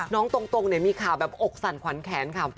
ตรงเนี่ยมีข่าวแบบอกสั่นขวัญแขนค่ะ